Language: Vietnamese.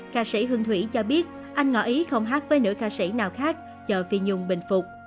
ca sĩ hương thủy cho biết anh ngọ ý không hát với nữ ca sĩ nào khác chợ phi nhung bình phục